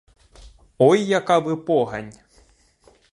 Ой, яка ви погань!